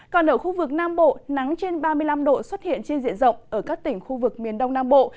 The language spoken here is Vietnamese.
còn ở khu vực nam bộ nắng trên ba mươi năm độ xuất hiện trên diện rộng ở các tỉnh khu vực miền đông nam bộ